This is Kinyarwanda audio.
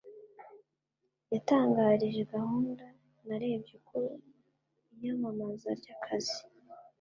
yatangarije gahunda ya narebye ku iyamamaza ry'akazi